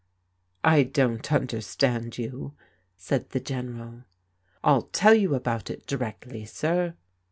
" I don't understand you," said the General. " I'll tell you about it directly, sir."